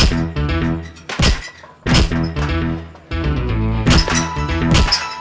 senjata gitu adam